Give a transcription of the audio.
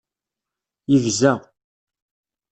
Yegza.